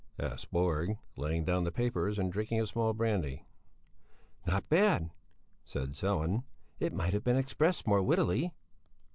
asked Borg laying down the papers and drinking a small brandy. "Not bad," said Sellén, "it might have been expressed more wittily."